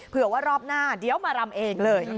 เผื่อว่ารอบหน้าเดี๋ยวมารำเองเลย